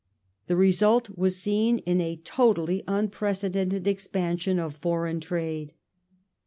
The result was seen in a totally unprecedented expansion of foreign trade.